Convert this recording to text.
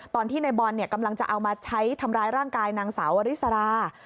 ตอนที่ในบอลกำลังจะเอามาใช้ทำร้ายร่างกายนางสาววริสรา